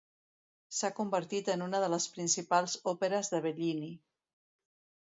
S'ha convertit en una de les principals òperes de Bellini.